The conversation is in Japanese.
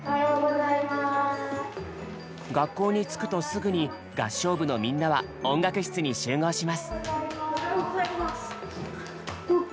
学校に着くとすぐに合唱部のみんなは音楽室に集合します。